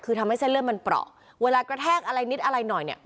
คือทำให้เส้นเลือดมันเปราะเวลากระแทกอะไรนิดอะไรหน่อยเนี่ย